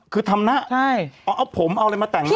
คือทำนะเอาผมเอาอะไรมาแต่งหน้า